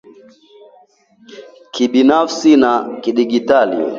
kibinafsi na za kidijitali